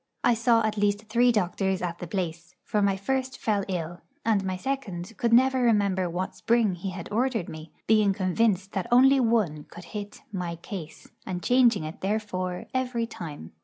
I saw at least three doctors at the place; for my first fell ill, and my second could never remember what spring he had ordered me, being convinced that only one could hit 'my case,' and changing it, therefore, every time.